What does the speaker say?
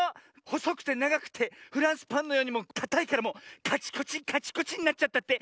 ほそくてながくてフランスパンのようにかたいからもうカチコチカチコチになっちゃったって。